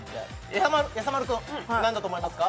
やさ丸くん何だと思いますか？